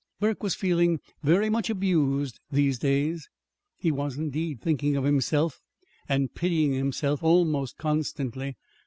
Burke was feeling very much abused these days. He was, indeed, thinking of himself and pitying himself almost constantly.